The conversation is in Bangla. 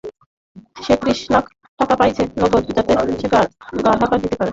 সে ত্রিশ লাখ টাকা চাইছে, নগদ, যাতে সে গা ঢাকা দিতে পারে।